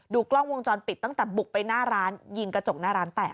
กล้องวงจรปิดตั้งแต่บุกไปหน้าร้านยิงกระจกหน้าร้านแตก